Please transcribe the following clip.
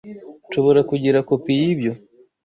Nshobora kugira kopi yibyo?